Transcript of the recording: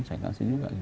saya kasih juga gitu